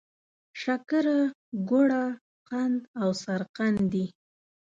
شکره، ګوړه، قند او سرقند دي.